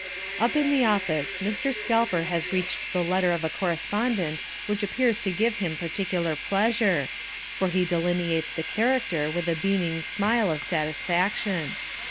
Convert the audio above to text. Up in the office Mr. Scalper has reached the letter of a correspondent which appears to give him particular pleasure, for he delineates the character with a beaming smile of satisfaction.